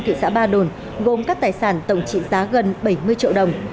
thị xã ba đồn gồm các tài sản tổng trị giá gần bảy mươi triệu đồng